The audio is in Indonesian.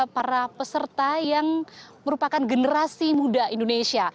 para peserta yang merupakan generasi muda indonesia